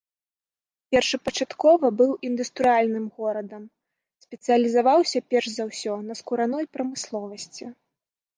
Першапачаткова быў індустрыяльным горадам, спецыялізаваўся перш за ўсё на скураной прамысловасці.